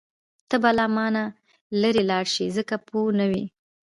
ته به له مانه لرې لاړه شې ځکه پوه نه وې.